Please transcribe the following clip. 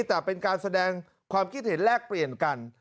แต่เป็นการแสดงความคิดเห็นแลกเปลี่ยนกัน